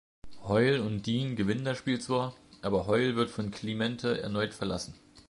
Hoyle und Deane gewinnen das Spiel zwar, aber Hoyle wird von Clemente erneut verlassen.